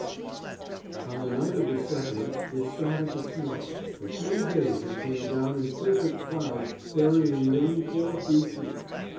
On the night of the second, it started to snow, for three days it came down in perfect clouds burying Lynn four feet deep.